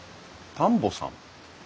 田んぼさん？